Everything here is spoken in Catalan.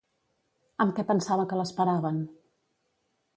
Amb què pensava que l'esperaven?